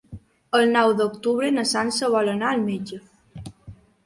El nou d'octubre na Sança vol anar al metge.